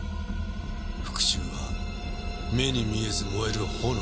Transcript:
復讐は目に見えず燃える炎だ。